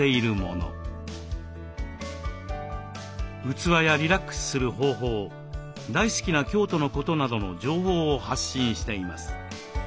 器やリラックスする方法大好きな京都のことなどの情報を発信しています。